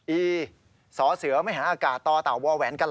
อีสอเสือไม่หาอากาศตอบวาวแหวนกะลัน